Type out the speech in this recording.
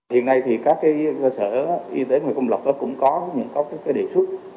hiện nay thì các cơ sở y tế ngoài công lập cũng có những đề xuất